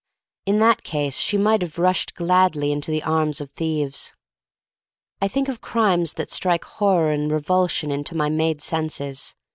In that case she might have rushed gladly into the arms of thieves. I think of crimes that strike horror and revulsion to my maid senses.